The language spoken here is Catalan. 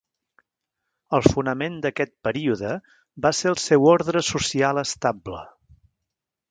El fonament d'aquest període va ser el seu ordre social estable.